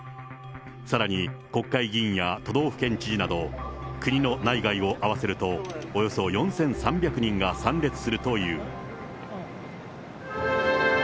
さらに国会議員や都道府県知事など、国の内外を合わせると、およそ４３００人が参列するという。